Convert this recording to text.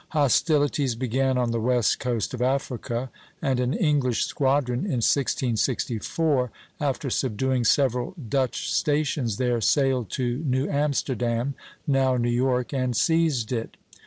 Hostilities began on the west coast of Africa; and an English squadron, in 1664, after subduing several Dutch stations there, sailed to New Amsterdam (now New York), and seized it.